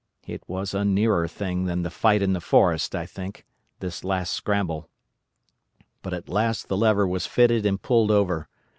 It was a nearer thing than the fight in the forest, I think, this last scramble. "But at last the lever was fixed and pulled over.